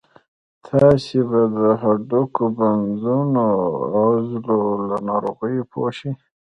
تاسې به د هډوکو، بندونو او عضلو له ناروغیو پوه شئ.